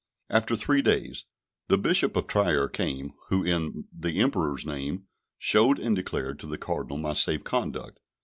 After three days the Bishop of Trier came, who, in the Emperor's name, showed and declared to the Cardinal my safe conduct.